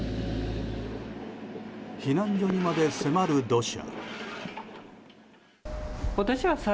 避難所にまで迫る土砂。